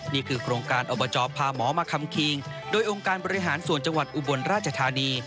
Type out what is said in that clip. นี่คือโครงการอบจพาหมอมาคำคิงโดยองค์การบริหารส่วนจังหวัดอุบลราชธานี